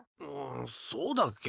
そうだっけ？